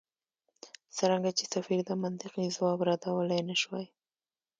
څرنګه چې سفیر دا منطقي ځواب ردولای نه شوای.